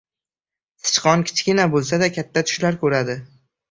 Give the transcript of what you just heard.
• Sichqon kichkina bo‘lsa-da katta tushlar ko‘radi.